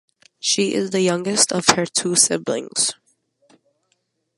She is the youngest of her two siblings.